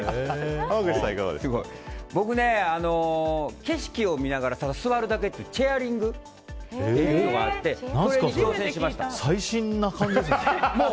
僕ね、景色を見ながらただ座るだけっていうチェアリングっていうのがあって最新な感じですね。